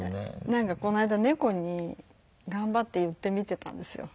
なんかこの間猫に頑張って言ってみてたんですよ。